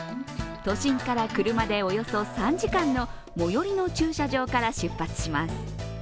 都心から車でおよそ３時間の最寄りの駐車場から出発します。